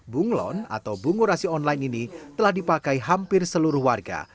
bunglon atau bungurasi online ini telah dipakai hampir seluruh warga